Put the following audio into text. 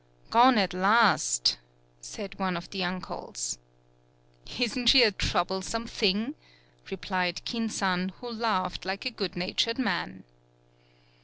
"Gone, at last !" said one of the uncles. "Isn't she a troublesome thing?" replied Kin san, who laughed like a good na tured man.